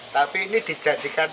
tapi ini dijadikan enam puluh lima